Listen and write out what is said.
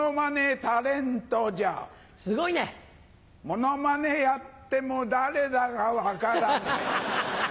モノマネやっても誰だか分からない。